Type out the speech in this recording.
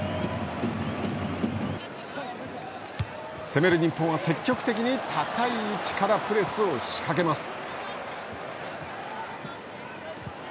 攻める日本は積極的に高い位置からプレスを仕掛けます。